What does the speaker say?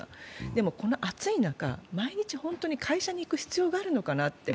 でもこの暑い中、毎日会社に行く必要があるのかなって。